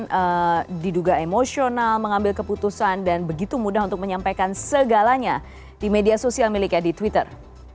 dengan ceo nya yang kemudian spontan diduga emosional mengambil keputusan dan begitu mudah untuk menyampaikan segalanya di media sosial miliknya di twitter